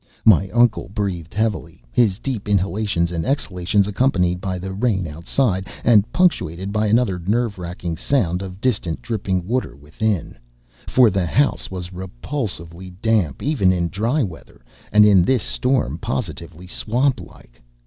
My uncle breathed heavily, his deep inhalations and exhalations accompanied by the rain outside, and punctuated by another nerve racking sound of distant dripping water within for the house was repulsively damp even in dry weather, and in this storm positively swamp like.